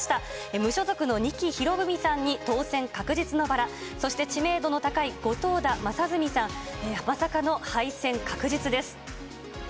無所属の仁木博文さんに当選確実のバラ、そして、知名度の高い後藤田正純さん、まさかの敗戦確実です。